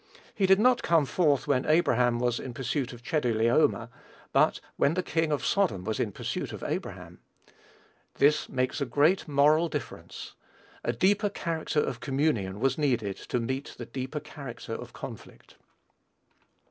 He did not come forth when Abraham was in pursuit of Chedorlaomer, but when the king of Sodom was in pursuit of Abraham. This makes a great moral difference. A deeper character of communion was needed to meet the deeper character of conflict.